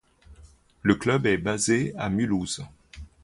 Le club est basé à Mulhouse.